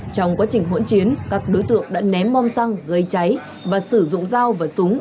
trong quá trình hỗn chiến các đối tượng đã ném bom xăng gây cháy và sử dụng dao và súng